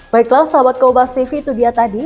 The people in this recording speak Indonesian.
baiklah sahabat kopas tv itu dia tadi